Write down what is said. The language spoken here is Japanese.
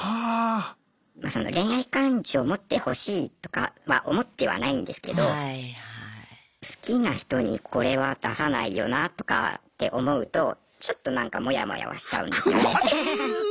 恋愛感情持ってほしいとかは思ってはないんですけど好きな人にこれは出さないよなとかって思うとちょっとなんかモヤモヤはしちゃうんですよね。